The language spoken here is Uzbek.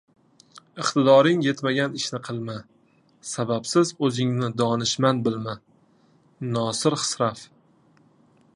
Iqtidoring yetmagan ishni qilma, sababsiz o‘zingni donishmand bilma. Nosir Xisrav